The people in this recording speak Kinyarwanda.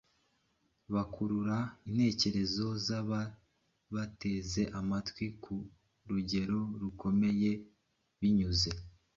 bakurura intekerezo z’ababateze amatwi ku rugero rukomeye binyuze